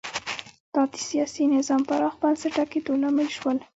دا د سیاسي نظام پراخ بنسټه کېدو لامل شول